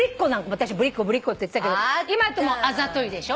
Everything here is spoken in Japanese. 私ぶりっ子ぶりっ子って言ってたけど今ってもう「あざとい」でしょ？